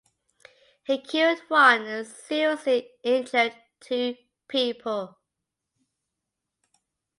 He killed one and seriously injured two people.